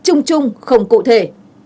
trung trung không cụ thể